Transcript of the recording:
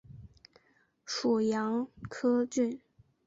属牂牁郡。